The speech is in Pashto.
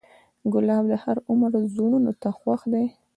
ګلاب د هر عمر زړونو ته خوښ دی.